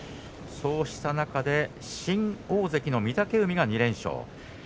そうした中で新大関の御嶽海が２連勝。